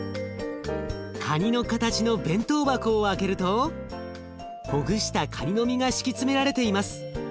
かにの形の弁当箱を開けるとほぐしたかにの身が敷き詰められています。